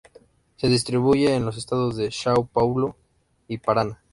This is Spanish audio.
Se distribuye en los estados de: São Paulo y Paraná.